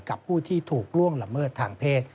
กับผู้ที่ถูกล่วงละเมิดทางเพศ